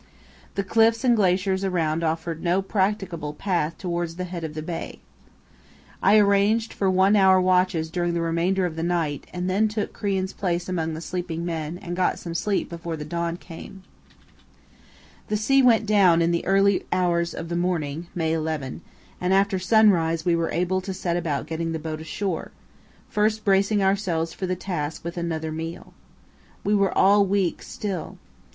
The cliffs and glaciers around offered no practicable path towards the head of the bay. I arranged for one hour watches during the remainder of the night and then took Crean's place among the sleeping men and got some sleep before the dawn came. [Illustration: [Cave Cove on South Georgia]] [Illustration: [Surroundings of King Haakon Bay]] The sea went down in the early hours of the morning (May 11), and after sunrise we were able to set about getting the boat ashore, first bracing ourselves for the task with another meal. We were all weak still.